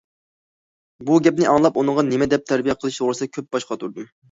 بۇ گەپنى ئاڭلاپ ئۇنىڭغا نېمە دەپ تەربىيە قىلىش توغرىسىدا كۆپ باش قاتۇردۇم.